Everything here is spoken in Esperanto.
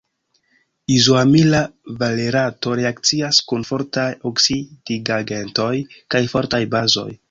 Izoamila valerato reakcias kun fortaj oksidigagentoj kaj fortaj bazoj.